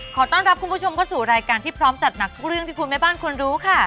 ขอต้อนรับคุณผู้ชมเข้าสู่รายการที่พร้อมจัดหนักทุกเรื่องที่คุณแม่บ้านควรรู้ค่ะ